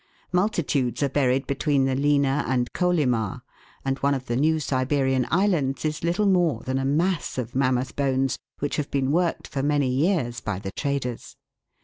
Multitudes are buried between the Lena and Kolimar, and one of the New Siberian islands is little more than a mass of mammoth bones, which have been worked for many years by the traders.